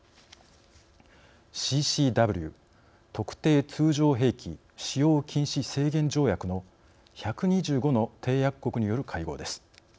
ＣＣＷ＝特定通常兵器使用禁止制限条約の１２５の締約国による会合です。